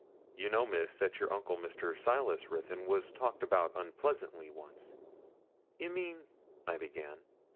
You know, Miss, that your uncle, Mr. Silas Ruthyn, was talked about unpleasantly once.' 'You mean' I began.